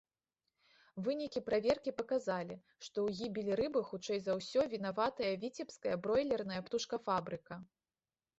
Вынікі праверкі паказалі, што ў гібелі рыбы хутчэй за ўсё вінаватая віцебская бройлерная птушкафабрыка.